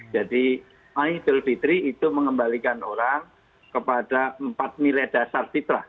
jadi idul fitri itu mengembalikan orang kepada empat nilai dasar fitrah